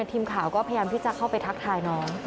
ทีมข่าวก็พยายามที่จะเข้าไปทักทายน้อง